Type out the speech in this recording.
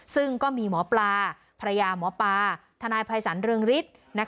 ซึ่งก็มีหมอปลาภรรยาหมอปลาทนายภัยศาลเรืองฤทธิ์